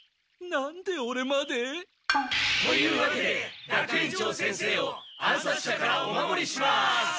なんでオレまで？というわけで学園長先生を暗殺者からお守りします！